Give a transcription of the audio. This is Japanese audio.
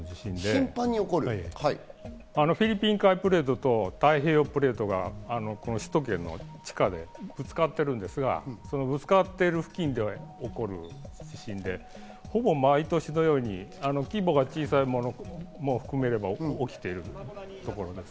首都圏では最も頻繁に起こるタイプの地震で、フィリピン海プレートと太平洋プレートが首都圏の地下でぶつかってるんですが、そのぶつかっている付近で起こる地震で、ほぼ毎年のように規模が小さいものも含めれば起きているところです。